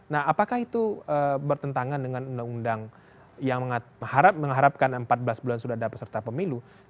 nah apakah itu bertentangan dengan undang undang yang mengharapkan empat belas bulan sudah ada peserta pemilu